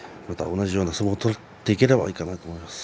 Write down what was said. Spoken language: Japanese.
同じような相撲を取っていければいいかなと思います。